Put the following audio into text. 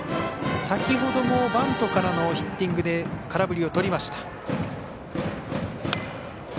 先ほどもバントからのヒッティングで空振りをとりました。